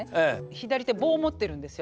左手棒持ってるんですよ